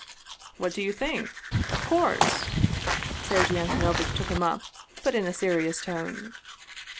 " What do you think ? Of course !" Sergei Antono vitch took him up, but in a serious tone.